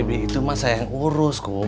debbie itu mah sayang urus kum